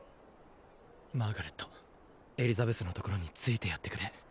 マーガレットエリザベスのところに付いてやってくれ。